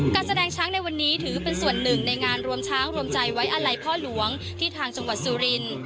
การแสดงช้างในวันนี้ถือเป็นส่วนหนึ่งในงานรวมช้างรวมใจไว้อาลัยพ่อหลวงที่ทางจังหวัดสุรินทร์